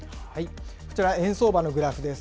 こちら、円相場のグラフです。